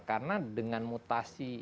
karena dengan mutasi